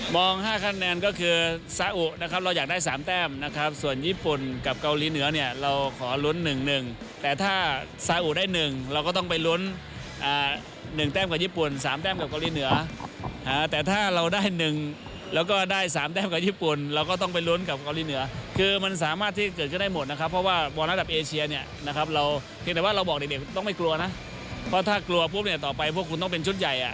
เพราะถ้ากลัวพวกนี้ต่อไปพวกคุณต้องเป็นชุดใหญ่